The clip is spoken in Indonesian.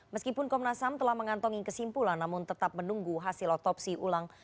meskipun komnasam telah mengantongi kesimpulan namun tetap menunggu hasil otopsi ulang